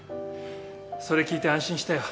それ聞いて安心したよ。